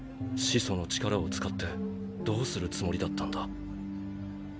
始祖の力を使ってどうするつもりだったんだ？